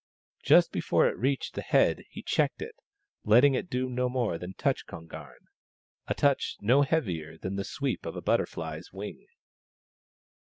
Just before it reached the head he checked it, letting it do no more than touch Kon garn — a touch no heavier than the sweep of a butterfly's wing.